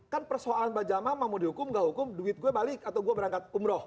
kan persoalan bajamaah mau dihukum gak hukum duit gue balik atau gue berangkat umroh